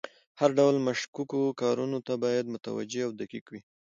هر ډول مشکوکو کارونو ته باید متوجه او دقیق وي.